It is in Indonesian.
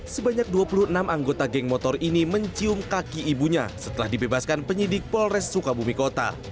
sebanyak dua puluh enam anggota geng motor ini mencium kaki ibunya setelah dibebaskan penyidik polres sukabumi kota